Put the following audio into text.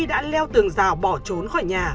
đã leo tường rào bỏ trốn khỏi nhà